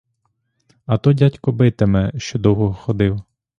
А то дядько битиме, що довго ходив.